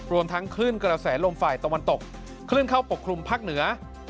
ทั้งคลื่นกระแสลมฝ่ายตะวันตกคลื่นเข้าปกคลุมภาคเหนือ